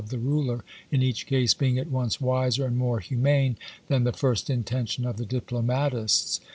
the ruler, in each case, being at once wiser and more humane than the first intention of the diplo matists.